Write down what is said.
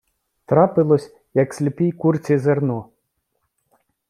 Трапилось, як сліпій курці зерно.